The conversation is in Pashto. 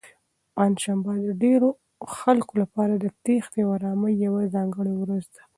پنجشنبه د ډېرو خلکو لپاره د تېښتې او ارامۍ یوه ځانګړې ورځ ده.